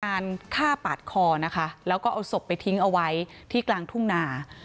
ฆ่าปาดคอนะคะแล้วก็เอาศพไปทิ้งเอาไว้ที่กลางทุ่งนา